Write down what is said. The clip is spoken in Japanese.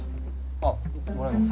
あっもらいます。